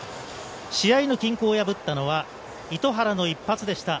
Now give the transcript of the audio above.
試合の均衡を破ったのは糸原の一発でした。